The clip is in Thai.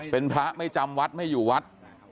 เป็นพระไม่จำวัดไม่อยู่วัด